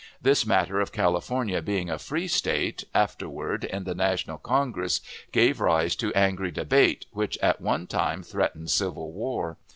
This matter of California being a free State, afterward, in the national Congress, gave rise to angry debates, which at one time threatened civil war.